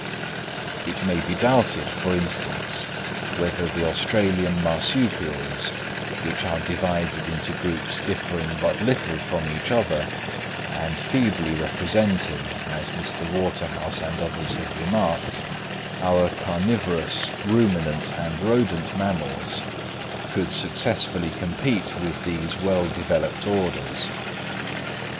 It may be doubted, for instance, whether the Australian marsupials, which are divided into groups differing but little from each other, and feebly representing, as Mr. Waterhouse and others have remarked, our carnivorous, ruminant, and rodent mammals, could successfully compete with these well developed orders.